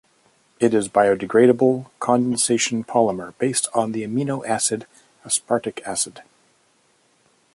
It is biodegradable condensation polymer based on the amino acid aspartic acid.